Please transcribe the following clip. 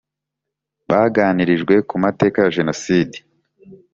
baganirijwe ku mateka ya Jenoside .